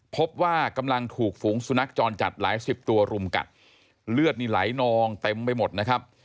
พบว่ากำลังถูกฝูงสุนัขจรจัดหลายสิบตัวรุมกัดเลือดนี่ไหลนองเต็มไปหมดนะครับ